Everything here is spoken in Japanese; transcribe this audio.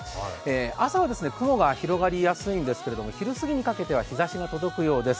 朝は雲が広がりやすいんですけれども昼すぎにかけては日ざしが届くようです。